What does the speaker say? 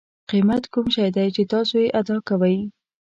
قیمت کوم شی دی چې تاسو یې ادا کوئ.